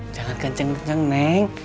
jangan kenceng kenceng neng